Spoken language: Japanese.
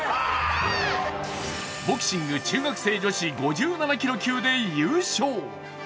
ボクシング中学生女子５７キロ級で優勝。